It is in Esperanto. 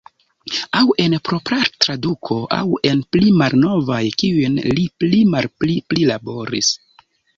Aŭ en propra traduko, aŭ en pli malnovaj kiujn li pli malpli prilaboris.